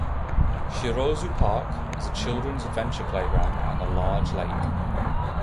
Shirozu Park has a children's adventure playground and a large lake.